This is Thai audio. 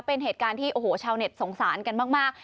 เป็นเหตุการณ์ที่โอ้โหชาวเน็ตสงสารกันมาก